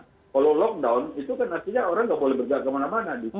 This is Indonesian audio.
kalau lockdown itu kan artinya orang nggak boleh bergerak kemana mana